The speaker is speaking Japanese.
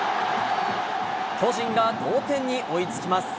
巨人が同点に追いつきます。